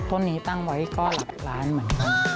ต้นนี้ตั้งไว้ก็หลากลายหมั่น